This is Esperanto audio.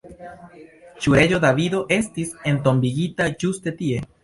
Ĉu reĝo Davido estis entombigita ĝuste tie?